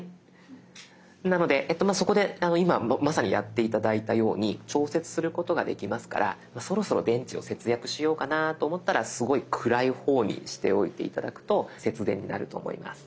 なのでそこで今まさにやって頂いたように調節することができますからそろそろ電池を節約しようかなと思ったらすごい暗い方にしておいて頂くと節電になると思います。